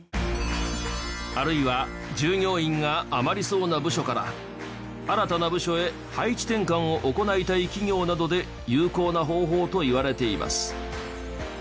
あるいは従業員が余りそうな部署から新たな部署へ配置転換を行いたい企業などで有効な方法といわれています。